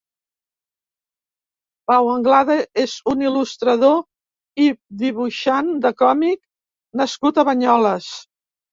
Pau Anglada és un iil·lustrador i dibuixant de còmic nascut a Banyoles.